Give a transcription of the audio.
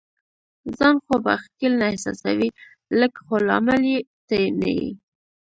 ځان خو به ښکیل نه احساسوې؟ لږ، خو لامل یې ته نه یې.